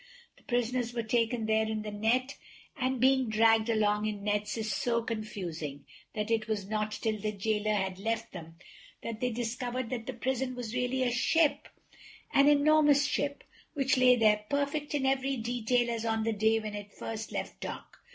The prisoners were taken there in the net, and being dragged along in nets is so confusing, that it was not till the Jailer had left them that they discovered that the prison was really a ship—an enormous ship—which lay there, perfect in every detail as on the day when it first left dock.